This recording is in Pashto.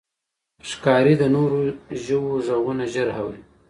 ښکاري د نورو ژوو غږونه ژر اوري.